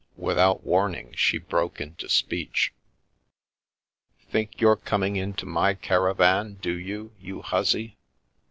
Without warning, she broke into speech. " Think you're coming into my caravan, do you, you hussy?